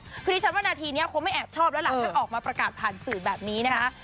คือดิฉันว่านาทีนี้คงไม่แอบชอบแล้วล่ะถ้าออกมาประกาศผ่านสื่อแบบนี้นะคะ